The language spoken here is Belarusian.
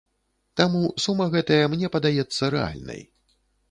Таму, сума гэтая мне падаецца рэальнай.